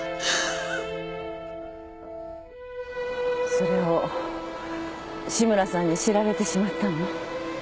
それを志村さんに知られてしまったの？